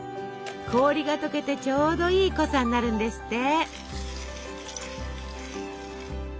氷が解けてちょうどいい濃さになるんですって。